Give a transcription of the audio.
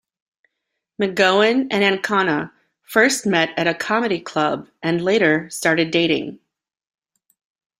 McGowan and Ancona first met at a comedy club, and later started dating.